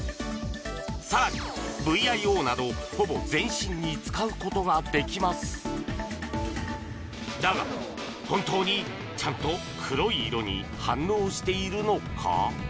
さらにＶＩＯなどほぼ全身に使うことができますだが本当にちゃんと黒い色に反応しているのか？